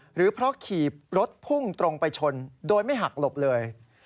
หรือเพราะขี่รถพุ่งตรงไปชนโดยไม่หักหลบเลย